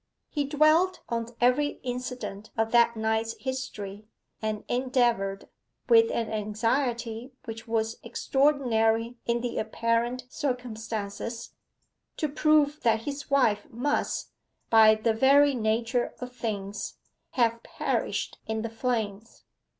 He dwelt on every incident of that night's history, and endeavoured, with an anxiety which was extraordinary in the apparent circumstances, to prove that his wife must, by the very nature of things, have perished in the flames.